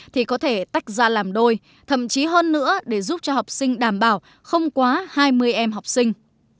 thì có thể tách ra làm đôi thậm chí hơn nữa để giúp cho học sinh đảm bảo không quá hai mươi em học sinh